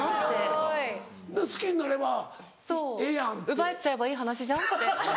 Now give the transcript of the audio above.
奪っちゃえばいい話じゃんって。